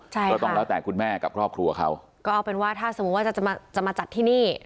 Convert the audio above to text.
ใช่ค่ะก็ต้องแล้วแต่คุณแม่กับครอบครัวเขาก็เอาเป็นว่าถ้าสมมุติว่าจะจะมาจะมาจัดที่นี่